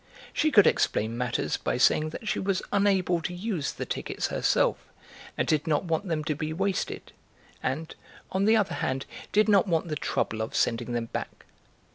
She could explain matters by saying that she was unable to use the tickets herself and did not want them to be wasted, and, on the other hand, did not want the trouble of sending them back.